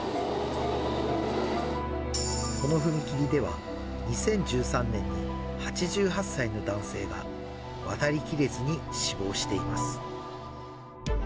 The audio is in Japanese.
この踏切では２０１３年に８８歳の男性が渡りきれずに死亡しています。